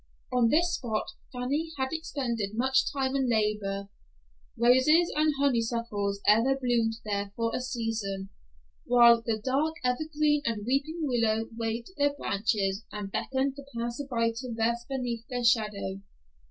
On this spot Fanny had expended much time and labor. Roses and honeysuckles ever bloomed there for a season, while the dark evergreen and weeping willow waved their branches and beckoned the passer by to rest beneath their shadow.